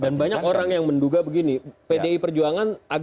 dan banyak orang yang menduga begini pdi perjuangan